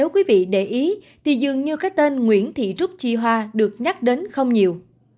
quý vị để ý thì dường như cái tên nguyễn thị trúc chi hoa được nhắc đến không nhiều